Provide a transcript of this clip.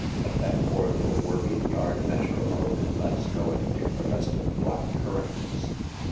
Let that poor little worried yard measure alone and let's go and pick the rest of the black currants."